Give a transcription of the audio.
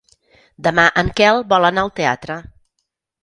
Demà en Quel vol anar al teatre.